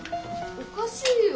おかしいよ！